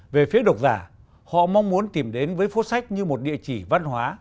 về phía độc giả họ mong muốn tìm đến với phố sách như một địa chỉ văn hóa